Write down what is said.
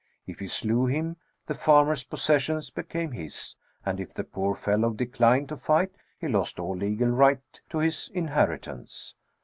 If he slew him, the farmer's possessions became his, and if the poor fellow declined to fight, he lost all legal right to his inheritance.